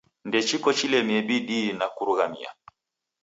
Ndechiko chilemie bidii na kurumaghia.